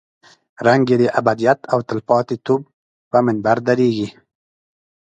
رنګ یې د ابدیت او تلپاتې توب پر منبر درېږي.